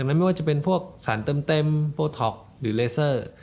ไม่ว่าจะเป็นสารเต็มภูโต๊คหรือเลเซอร์